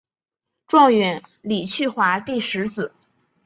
状元张去华第十子。